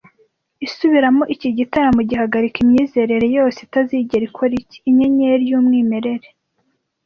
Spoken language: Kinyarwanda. Isubiramo Iki gitaramo gihagarika imyizerere yose itazigera ikora iki? Inyenyeri Yumwimerere